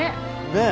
ねえ。